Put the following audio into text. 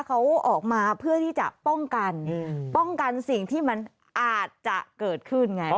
เขาออกมาเพื่อที่จะป้องกันป้องกันสิ่งที่มันอาจจะเกิดขึ้นไง